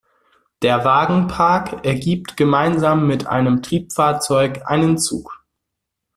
Der Wagenpark ergibt gemeinsam mit einem Triebfahrzeug einen Zug.